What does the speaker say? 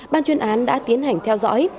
ban chuyên án đã tiến hành theo dõi